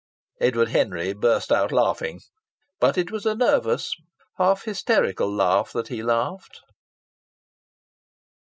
Edward Henry burst out laughing; but it was a nervous, half hysterical laugh that he laughed.